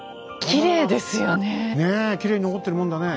きれいに残ってるもんだね。